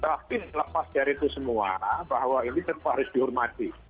tapi lepas dari itu semua bahwa ini tentu harus dihormati